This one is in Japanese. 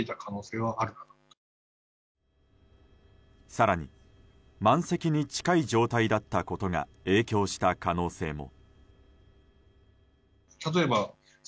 更に満席に近い状態だったことが影響した可能性も。